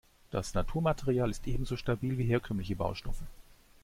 Das Naturmaterial ist ebenso stabil wie herkömmliche Baustoffe.